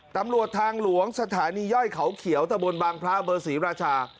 ตำรวจทางหลวงสถานีย่อยเขาเขียวตะบนบางพระเบอร์ศรีราชา